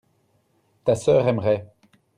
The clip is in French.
ta sœur aimerait.